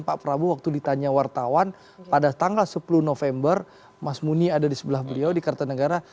pak prabowo waktu ditanya wartawan pada tanggal sepuluh november mas muni ada di sebelah beliau di kartanegara